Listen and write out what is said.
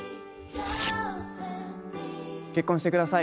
結婚して下さい。